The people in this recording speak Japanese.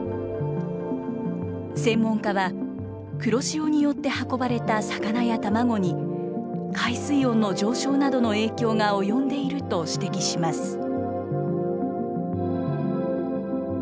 専門家は、黒潮によって運ばれた魚や卵に、海水温の上昇などの影響が及んでいると指摘します。